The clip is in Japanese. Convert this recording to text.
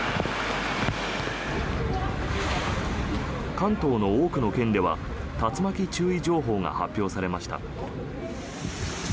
関東の多くの県では竜巻注意情報が発表されました。